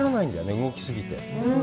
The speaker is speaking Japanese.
動き過ぎて。